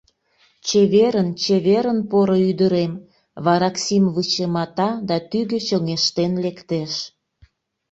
— Чеверын, чеверын, поро ӱдырем! — вараксим вычымата да тӱгӧ чоҥештен лектеш.